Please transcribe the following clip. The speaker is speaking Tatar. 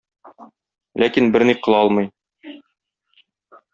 Ләкин берни кыла алмый.